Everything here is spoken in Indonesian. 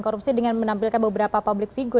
korupsi dengan menampilkan beberapa public figure